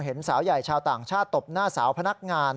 สาวใหญ่ชาวต่างชาติตบหน้าสาวพนักงาน